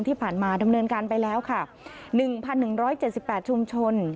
ที่ผ่านมาดำเนินการไปแล้วค่ะ๑๑๗๘ชุมชน